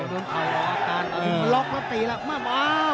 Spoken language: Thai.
ล็อกแล้วตีแล้วว้าว